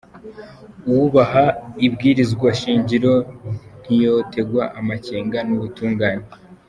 Uwubaha ibwirizwa shingiro ntiyotegwa amakenga n'ubutungane.